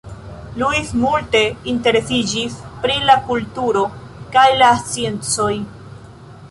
Louis multe interesiĝis pri la kulturo kaj la sciencoj.